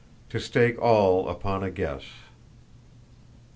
To stake all upon a guess!